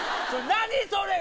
何それ？